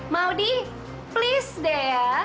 maudie tolong deh ya